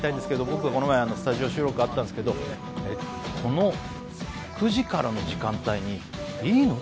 僕この前スタジオ収録あったんですけどこの９時からの時間帯にいいの？